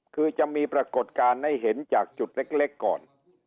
คือจะมีปรากฏการณ์ให้เห็นจากจุดเล็กก่อน